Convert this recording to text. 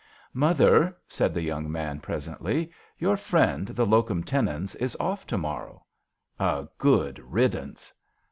" Mother," said the young man, presently, "your friend the locum tenens is off to morrow." " A good riddance."